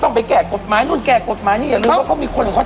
ต้องไปแก่กฎหมายนู่นแก่กฎหมายนี่อย่าลืมว่าเขามีคนเขาทำ